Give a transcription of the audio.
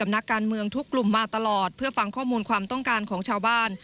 นักการเมืองทุกกลุ่มมาตลอดเพื่อฟังข้อมูลความต้องการของชาวบ้าน